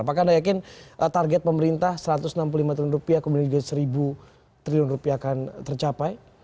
apakah anda yakin target pemerintah satu ratus enam puluh lima triliun rupiah kemudian juga seribu triliun rupiah akan tercapai